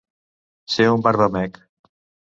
Ser un barbamec.